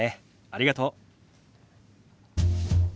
ありがとう。